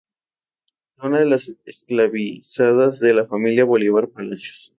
Fue una de las esclavizadas de la familia Bolívar Palacios.